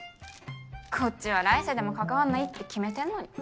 こっちは来世でも関わんないって決めてんのに。